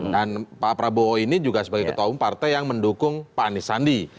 dan pak prabowo ini juga sebagai ketua umum partai yang mendukung pak anies handi